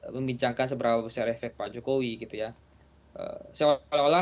membincangkan seberapa besar efek pak jokowi gitu ya